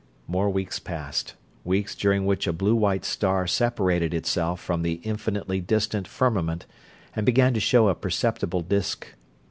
More weeks passed; weeks during which a blue white star separated itself from the infinitely distant firmament and began to show a perceptible disk.